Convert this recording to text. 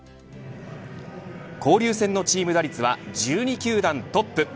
交流戦のチーム打率は１２球団トップ。